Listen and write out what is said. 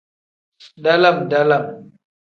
Dalam-dalam.